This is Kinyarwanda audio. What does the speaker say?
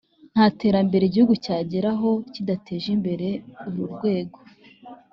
nta terambere igihugu cyageraho kidateje imbere uru rwego